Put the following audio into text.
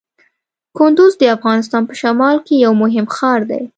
کندز د افغانستان په شمال کې یو مهم ښار دی.